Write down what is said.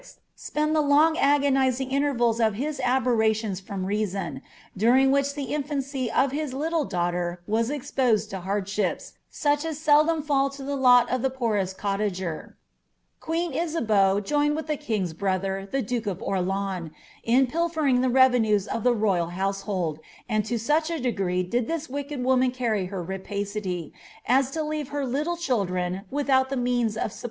spend the long agonising intervals of his aberrations from reason, during which the infancy of bis little daughter was exposed to hardships, such as seldom fall to the lot of the poorest cottager. Queen Iwbeau joined with the king's brother, the duke of Orleans, hi pilfering the revenues of the royal household ; and to such a degree dirl ' See the Lifo of Isabella, commencement of the volume. * Moreri, — Katherine. }>alace of Si.